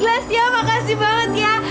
klas ya makasih banget ya